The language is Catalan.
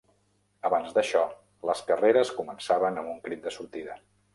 Abans d'això, les carreres començaven amb un crit de sortida.